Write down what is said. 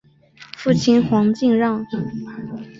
父亲黄敬让。